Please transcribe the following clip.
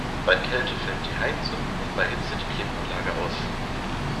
Bei Kälte fällt die Heizung und bei Hitze die Klimaanlage aus.